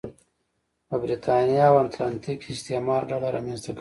په برېتانیا او اتلانتیک کې استعمار ډله رامنځته کړې وه.